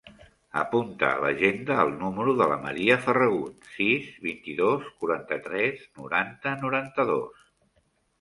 Apunta a l'agenda el número de la Maria Ferragut: sis, vint-i-dos, quaranta-tres, noranta, noranta-dos.